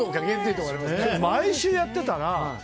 毎週やってたな。